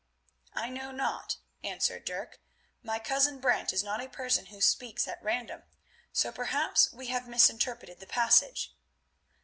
"I know not," answered Dirk. "My cousin Brant is not a person who speaks at random, so perhaps we have misinterpreted the passage."